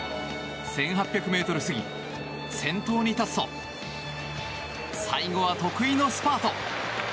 １８００ｍ過ぎ先頭に立つと最後は得意のスパート。